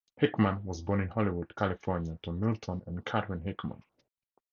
Hickman was born in Hollywood, California to Milton and Katherine Hickman.